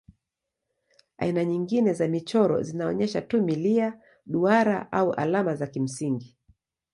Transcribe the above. Aina nyingine za michoro zinaonyesha tu milia, duara au alama za kimsingi.